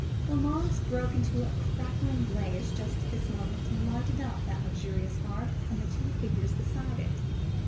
The logs broke into a crackling blaze just at this moment, and lighted up that luxurious hearth and the two figures beside it.